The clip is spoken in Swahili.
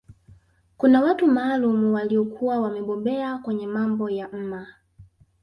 Kuna watu maalum waliokuwa wamebobea kwenye mambo ya mma